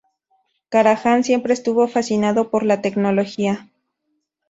Karajan siempre estuvo fascinado por la tecnología.